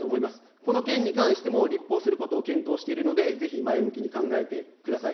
この件に関しても、りっぽうすることを検討しているので、ぜひ前向きに考えてください。